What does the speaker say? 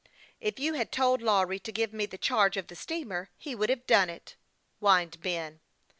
" If you had told Lawry to give me the charge of the steamer, he would have done it," whined Ben.